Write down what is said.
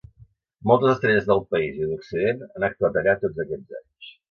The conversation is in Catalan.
Moltes estrelles del país i d'occident han actuat allà tots aquests anys.